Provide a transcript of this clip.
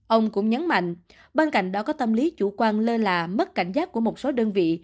ông cũng nhắn mạnh ban cạnh đó có tâm lý chủ quan lơ lạ mất cảnh giác của một số đơn vị